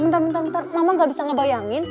bentar bentar bentar mama gak bisa ngebayangin